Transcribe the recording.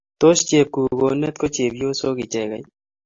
Tos chepkukonet ko chepyosok ichegei?